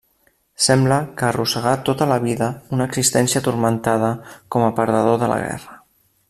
Sembla que arrossegà tota la vida una existència turmentada com a perdedor de la guerra.